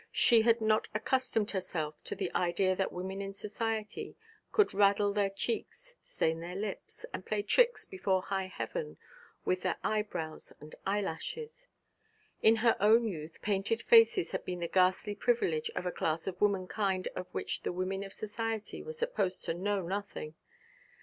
She had not accustomed herself to the idea that women in society could raddle their cheeks, stain their lips, and play tricks before high heaven with their eyebrows and eyelashes. In her own youth painted faces had been the ghastly privilege of a class of womankind of which the women of society were supposed to know nothing.